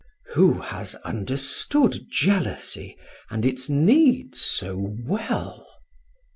"Who has understood jealousy and its needs so well?"